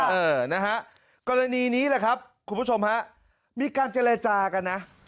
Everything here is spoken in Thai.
เออนะฮะกรณีนี้แหละครับคุณผู้ชมฮะมีการเจรจากันนะ